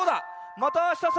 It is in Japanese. またあしたさ